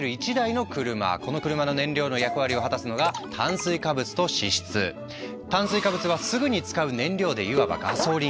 この車の燃料の役割を果たすのが炭水化物はすぐに使う燃料でいわばガソリン。